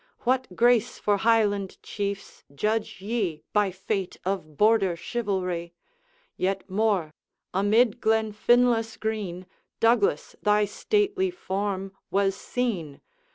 What grace for Highland Chiefs, judge ye By fate of Border chivalry. Yet more; amid Glenfinlas' green, Douglas, thy stately form was seen.